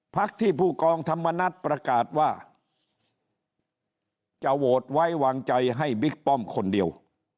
พักที่ผู้กองธรรมนัฏประกาศว่าจะโหวตไว้วางใจให้บิ๊กป้อมคนเดียว